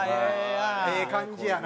ええ感じやな。